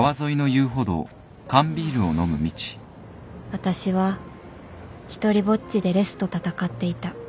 私は独りぼっちでレスと闘っていた